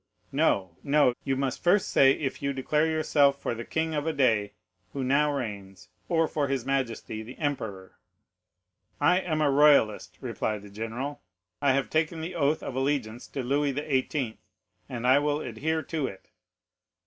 No, no, you must first say if you declare yourself for the king of a day who now reigns, or for his majesty the emperor." "'"I am a royalist," replied the general; "I have taken the oath of allegiance to Louis XVIII., and I will adhere to it."